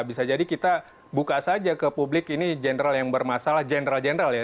bisa jadi kita buka saja ke publik ini general yang bermasalah general general ya